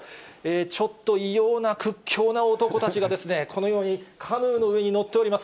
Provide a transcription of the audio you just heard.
ちょっと異様な屈強な男たちが、このようにカヌーの上に乗っております。